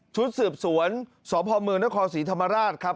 ชุดสืบสวนสมนศศรีธรรมราช